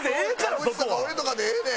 田渕とか俺とかでええねん！